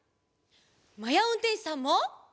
まやうんてんしさんも！